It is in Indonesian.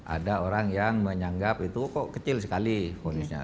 ada orang yang menyanggap itu kok kecil sekali fornisnya